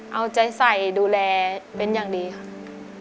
เอาใจใส่ดูแลเบ้นอย่างดีค่ะ